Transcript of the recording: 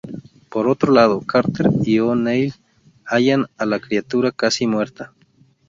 Por otro lado, Carter y O'Neill hallan a la criatura casi muerta.